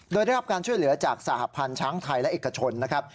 โดยได้รับการช่วยเหลือจากสหพันธ์ช้างไทยและเอกชนนะครับ